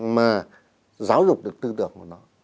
mà giáo dục được tư tưởng của nó